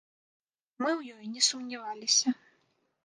Мы ў ёй не сумняваліся.